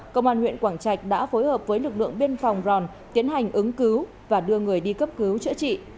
công an huyện quảng trạch đã phối hợp với lực lượng biên phòng ròn tiến hành ứng cứu và đưa người đi cấp cứu chữa trị